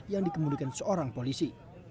yang dikemudikan seorang polisi